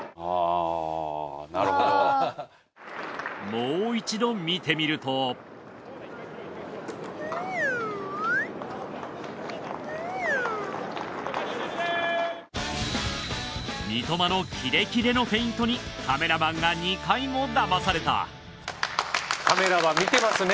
もう一度見てみると三笘のキレキレのフェイントにカメラマンが２回も騙されたカメラは見てますね。